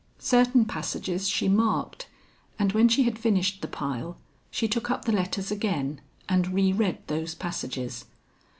Certain passages she marked, and when she had finished the pile, she took up the letters again and re read those passages.